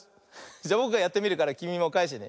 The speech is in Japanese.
じゃぼくがやってみるからきみもかえしてね。